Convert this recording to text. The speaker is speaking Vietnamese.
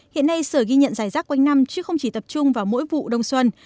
hiện nay sởi ghi nhận dài rắc quanh năm chứ không chỉ tập trung vào mỗi vụ đông xuân